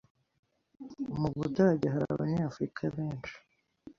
Mu Budage hari Abanyafurika benshi